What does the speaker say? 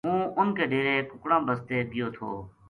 ہوں اُنھ کے ڈیرے کُکڑاں بسطے گیو تھو